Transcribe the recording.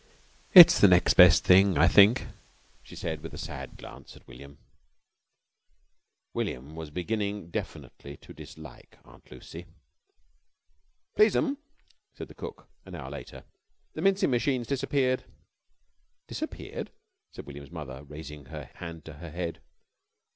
"It's the next best thing, I think," she said with a sad glance at William. William was beginning definitely to dislike Aunt Lucy. "Please'm," said the cook an hour later, "the mincing machine's disappeared." "Disappeared?" said William's mother, raising her hand to her head.